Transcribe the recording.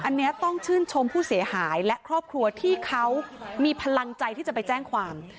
อันนี้ต้องชื่นชมผู้เสียหายและครอบครัวที่เขามีพลังใจที่จะไปแจ้งความ